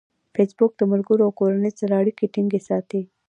فېسبوک د ملګرو او کورنۍ سره اړیکې ټینګې ساتي.